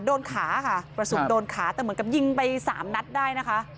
โดนขาค่ะกระสุนโดนขาแต่เหมือนกับยิงไปสามนัดได้นะคะ